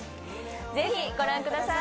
ぜひご覧ください。